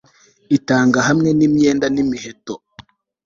Itanga hamwe nimyenda nimiheto